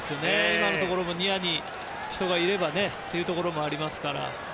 今のところもニアに人がいればというところもありますから。